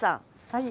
はい。